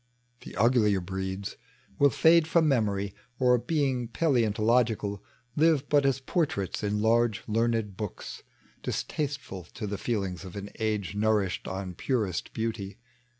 The uglier breeds will fade from memory, Or, beii^ paleontologieal. Live irat as portraits in large learned books, Distasteful to the feelings of an age Nourished on purest beauty.